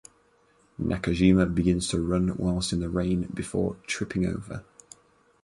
Nakajima begins to run whilst in the rain before tripping over.